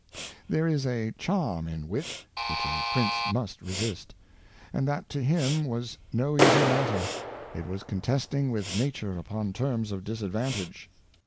There is a Charm in Wit, which a Prince must resist : and that to him was no easy matter ; it was contesting with Nature upon Terms of Disadvantage.